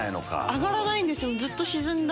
上がらないんですよ。